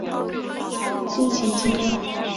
敬请见谅